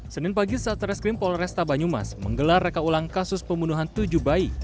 senin pagi saat reskrim polresta banyumas menggelar rekaulang kasus pembunuhan tujuh bayi